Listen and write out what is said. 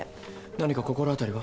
何か心当たりは？